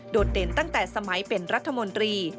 เด่นตั้งแต่สมัยเป็นรัฐมนตรี